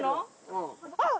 うん。